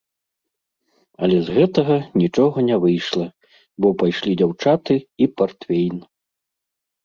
Але з гэтага нічога не выйшла, бо пайшлі дзяўчаты і партвейн.